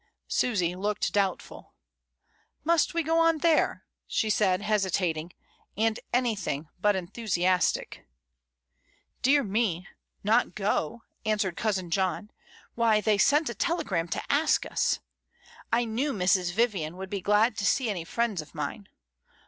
Susy looked doubtful. ^^Must we go on there?" she said, hesitating, and anything but enthusiastic. "Dear me; not go," answered cousin John, "why they sent a telegram to ask us. I knew Mrs. Vivian would be glad to see any friends of mine.